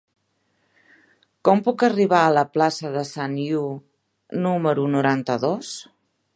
Com puc arribar a la plaça de Sant Iu número noranta-dos?